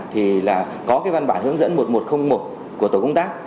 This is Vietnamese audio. thì là có cái văn bản hướng dẫn một nghìn một trăm linh một của tổ công tác